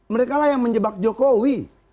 mereka lah yang menjebak jokowi